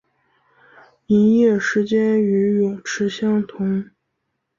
营业时间与泳池相同。